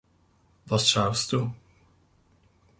Was schaust du?